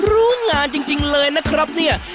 รู้งานจริงเลยนะครับเนี่ย